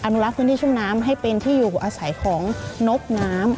นุรักษ์พื้นที่ชุ่มน้ำให้เป็นที่อยู่อาศัยของนกน้ำ